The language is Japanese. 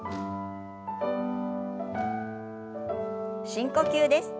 深呼吸です。